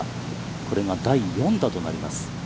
これが第４打となります。